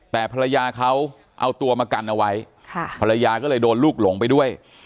แต่ภรรยาเขาเอาตัวมากันเอาไว้ภรรยาก็เลยโดนลูกหลงไปด้วย